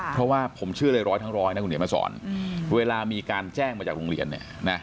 เพราะว่าผมเชื่อเลยร้อยทั้งร้อยนะคุณเดี๋ยวมาสอนเวลามีการแจ้งมาจากโรงเรียนเนี่ยนะ